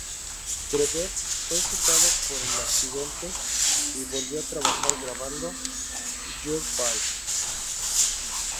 Trebek no fue citado por el accidente, y volvió a trabajar grabando "Jeopardy!